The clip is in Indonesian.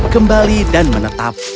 kembali dan menetap